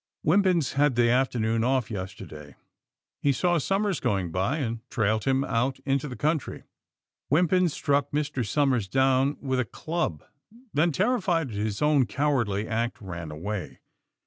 Wimpins had the afternoon off yesterday. He saw Somers going by, and trailed him out into the country. Wimpins struck Mr. Somers down with a club, then, terrified at his own cowardly act, ran away.